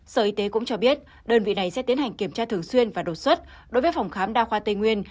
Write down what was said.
sở y tế cũng cho biết đơn vị này sẽ tiến hành kiểm tra thường xuyên và đột xuất đối với phòng khám đa khoa tây nguyên